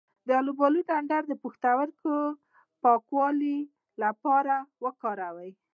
د الوبالو ډنډر د پښتورګو د پاکوالي لپاره وکاروئ